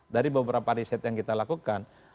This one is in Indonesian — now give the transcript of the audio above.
dari beberapa riset yang kita lakukan